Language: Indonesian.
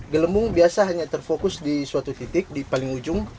gelembung biasa hanya terfokus di suatu titik di paling ujung